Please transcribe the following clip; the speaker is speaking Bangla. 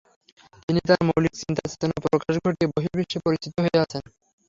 তিনি তার মৌলিক চিন্তা-চেতনার প্রকাশ ঘটিয়ে বহিঃর্বিশ্বে পরিচিত হয়ে আছেন।